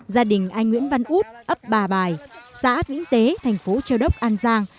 gia đình anh nguyễn văn út ấp bà bài xã vĩnh tế thành phố châu đốc an giang